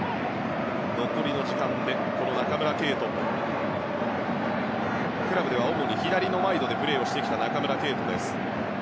残りの時間で中村敬斗クラブでは主に左のワイドでプレーしてきた選手です。